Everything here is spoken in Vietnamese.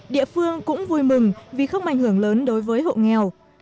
địa phương cũng vui mừng vì không ảnh hưởng lớn đối với hộ nghèo